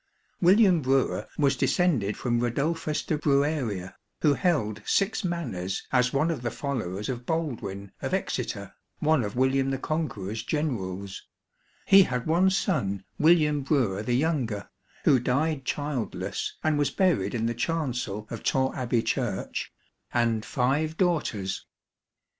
William Brewer was descended from Radulphus de Brueria, who held six Manors as one of the followers of Baldwin, of Exeter, one of William the Conqueror's generals; he had one son, William Brewer the younger (who died childless, and was buried in the chancel of Torre Abbey Church), and five daughters.